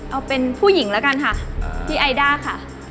เอาเป็นผู้หญิงแล้วกันค่ะพี่ไอด้าค่ะ